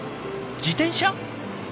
自転車？